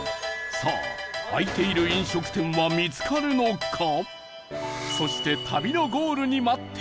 さあ開いている飲食店は見つかるのか？